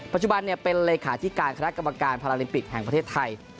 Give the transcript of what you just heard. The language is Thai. ปัจจุบันเป็นเลขาธิการคณะกรรมการพาราลิมปิกแห่งประเทศไทย